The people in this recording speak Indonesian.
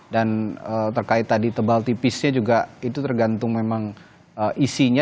dan terkait tadi tebal tipisnya juga itu tergantung memang isinya